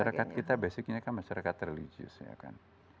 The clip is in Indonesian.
masyarakat kita basicnya kan masyarakat religius ya kan